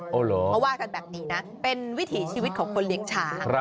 เขาว่ากันแบบนี้นะเป็นวิถีชีวิตของคนเลี้ยงช้าง